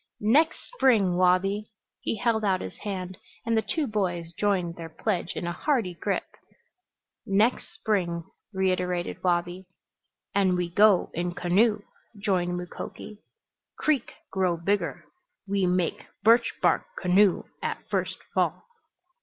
"Next spring, Wabi!" He held out his hand and the two boys joined their pledge in a hearty grip. "Next spring!" reiterated Wabi. "And we go in canoe," joined Mukoki. "Creek grow bigger. We make birch bark canoe at first fall."